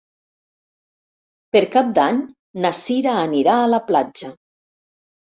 Per Cap d'Any na Cira anirà a la platja.